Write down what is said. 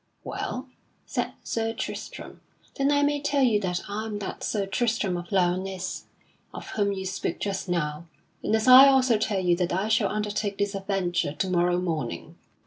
"Well," said Sir Tristram, "then I may tell you that I am that Sir Tristram of Lyonesse of whom you spoke just now. And I also tell you that I shall undertake this adventure to morrow morning."